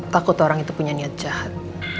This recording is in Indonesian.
takut orang itu punya niat jahat